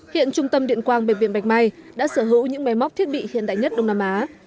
hiện trung tâm điện quang bệnh viện bạch mai đã sở hữu những máy móc thiết bị hiện đại nhất đông nam á